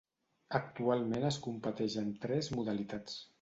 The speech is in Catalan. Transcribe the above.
Actualment es competeix en tres modalitats.